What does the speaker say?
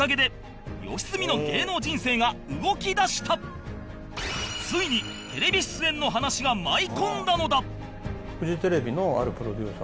そんなついにテレビ出演の話が舞い込んだのだ